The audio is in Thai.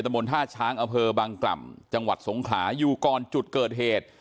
ตระบวนท่าช้างอเภอบังกล่ำจังหวัดสงขลายูกรจุดเกิดเหตุ